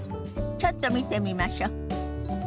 ちょっと見てみましょ。